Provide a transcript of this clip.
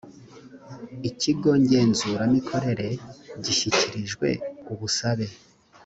ikigo ngenzuramikorere gishyikirijwe ubusabe